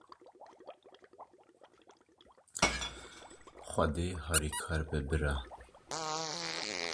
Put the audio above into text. Xwedê harî kar be, bira